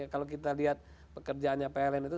kalau kita lihat pekerjaannya pln itu